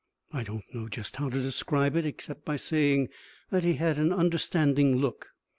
I don't know just how to describe it except by saying that he had an understanding look.